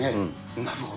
なるほど。